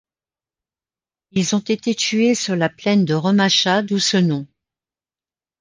Ils ont été tués sur la plaine de Remacha, d'où ce nom.